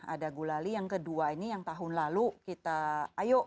ada gulali yang kedua ini yang tahun lalu kita ayo